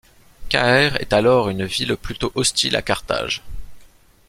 Caere est alors une ville plutôt hostile à Carthage.